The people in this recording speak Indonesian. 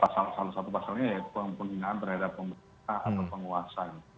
salah satu pasalnya ya penghinaan terhadap penguasa